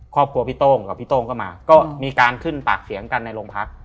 ครอบครัวพี่โต้งกับพี่โต้งก็มาก็มีการขึ้นปากเสียงกันในโรงพัก